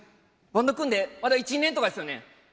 バンド組んでまだ１２年とかですよね。